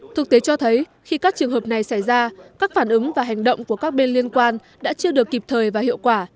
thực tế cho thấy khi các trường hợp này xảy ra các phản ứng và hành động của các bên liên quan đã chưa được kịp thời và hiệu quả